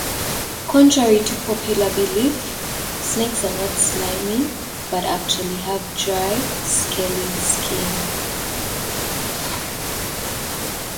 Contrary to popular belief, snakes are not slimy but actually have dry, scaly skin.